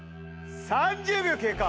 ３０秒経過。